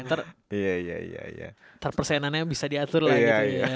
ntar persenannya bisa diatur lah gitu ya